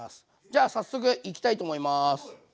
じゃあ早速いきたいと思います。